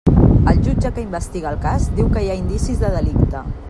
El jutge que investiga el cas diu que hi ha indicis de delicte.